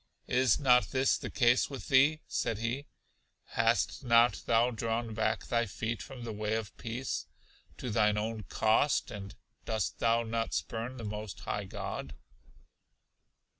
Is not this the case with thee? said he: Hast not thou drawn back thy feet from the way of peace, to thine own cost; and dost thou not spurn the most high God?